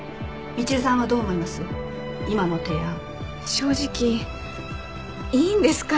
正直いいんですか？